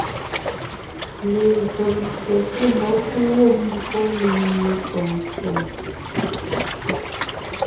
Legÿo ntse pɔ́ mmɔ̌g gwɔ̂ mbwó nyìŋ mesoŋ ntsèm,